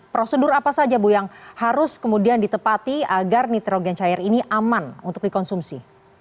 prosedur apa saja bu yang harus kemudian ditepati agar nitrogen cair ini aman untuk dikonsumsi